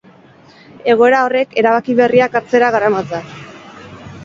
Egoera horrek erabaki berriak hartzera garamatza.